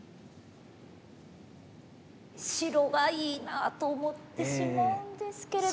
白がいいなと思ってしまうんですけれども。